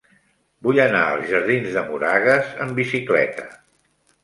Vull anar als jardins de Moragas amb bicicleta.